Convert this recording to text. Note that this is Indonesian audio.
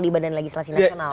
di badan legislasi nasional